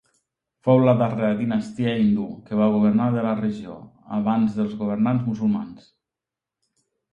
Fou la darrera dinastia hindú que va governar de la regió, abans dels governants musulmans.